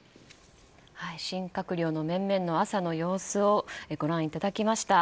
新閣僚の面々の朝の様子をご覧いただきました。